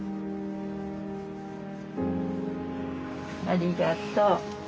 ありがとう。